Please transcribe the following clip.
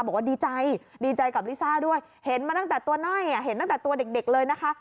บอกว่าดีใจดีใจกับลิซ่าด้วยเห็นมาตั้งแต่ตัวน้อยเห็นตั้งแต่ตัวเด็กเลยนะคะ